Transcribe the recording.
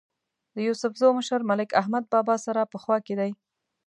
د یوسفزو مشر ملک احمد بابا سره په خوا کې دی.